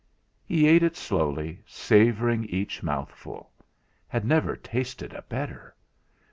He ate it slowly, savouring each mouthful; had never tasted a better.